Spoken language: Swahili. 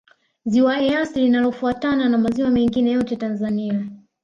ziwa eyasi linatofautiana na maziwa mengine yote tanzania